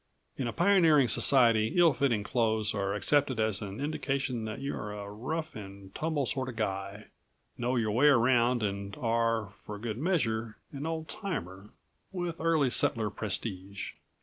In a pioneering society ill fitting clothes are accepted as an indication that you are a rough and tumble sort of guy, know your way around and are, for good measure, an old timer, with early settler prestige.